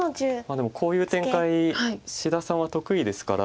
でもこういう展開志田さんは得意ですから。